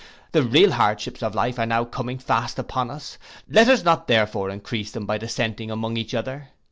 The real hardships of life are now coming fast upon us, let us not therefore encrease them by dissention among each other.